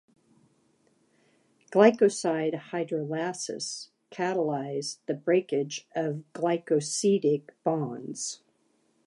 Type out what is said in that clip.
Glycoside hydrolases catalyze the breakage of glycosidic bonds.